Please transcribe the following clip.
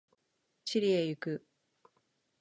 チリへ行く。